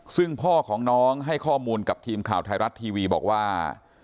ซึ่งพ่อของน้องให้ข้อมูลกับทีมข่าวไทยรัฐทีวีบอกว่า